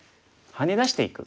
ハネ出していく。